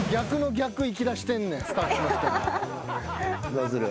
どうする？